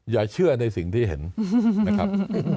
อย่าเชื่อในสิ่งที่เห็นนะครับ